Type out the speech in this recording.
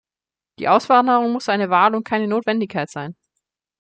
Die Auswanderung muss eine Wahl und keine Notwendigkeit sein.